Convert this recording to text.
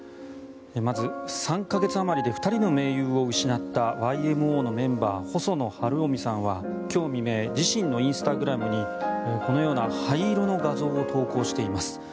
まず３か月あまりで２人の盟友を失ったＹＭＯのメンバー細野晴臣さんは今日未明自身のインスタグラムにこのような灰色の画像を投稿しています。